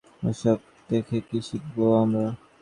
ওসব দেখে কী শিখবো আমরা?